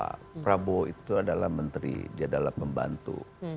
pak prabowo itu adalah menteri dia adalah pembantu